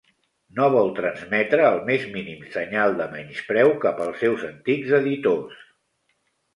No vol transmetre el més mínim senyal de menyspreu cap als seus antics editors.